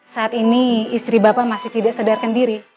saat ini istri bapak masih tidak sadarkan diri